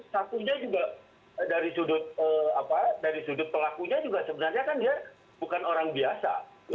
satunya juga dari sudut pelakunya juga sebenarnya kan dia bukan orang biasa